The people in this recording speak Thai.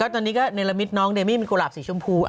ตอนนี้ก็ในละมิตน้องเดมี่มีกุหลาบสีชมพู